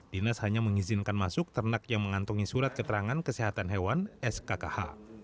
dinas hanya mengizinkan masuk ternak yang mengantungi surat keterangan kesehatan hewan skkh